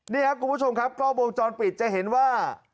นี่ครับคุณผู้ชมครับกล้องวงจรปิดจะเห็นว่า